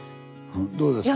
どうですか？